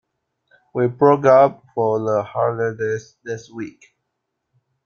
We broke up for the holidays last week